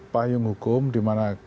payung hukum dimana